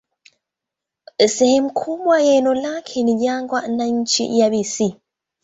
Sehemu kubwa ya eneo lake ni jangwa na nchi yabisi.